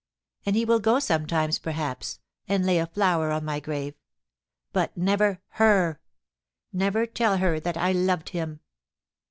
And he will go sometimes, perhaps, and lay a flower on my grave — but never ha — never tell her that I loved him.